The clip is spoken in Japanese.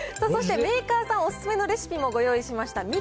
そしてメーカーさんお勧めのレシピもご用意しました。